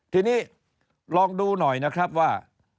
ทีนี้ลองดูหน่อยนะครับว่า